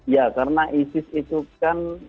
ya karena isis itu kan